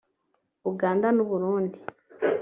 Uganda n’Uburundi